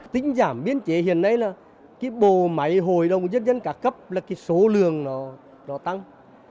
tính giảm biên chế hiện nay là cái bộ máy hội đồng nhân dân cả cấp là cái số lường nó tăng